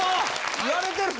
言われてるで！